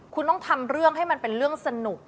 คุณต้องทำเรื่องให้มันเป็นเรื่องสนุก